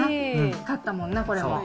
買ったもんな、これも。